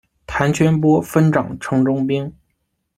谭全播分掌城中兵。